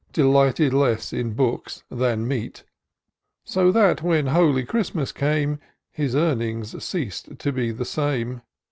Delighted less in books than meat ; So that, when holy Qiristmas came. His earnings ceas'd to be the same.